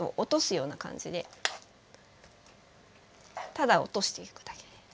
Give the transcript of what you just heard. ただ落としていくだけ。